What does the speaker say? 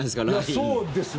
そうですね。